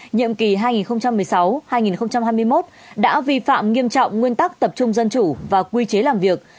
nhiệm kỳ hai nghìn một mươi sáu hai nghìn hai mươi một đã vi phạm nghiêm trọng nguyên tắc tập trung dân chủ và quy chế làm việc